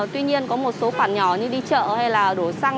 tuy nhiên có một số khoản nhỏ như đi chợ hay là đổ xăng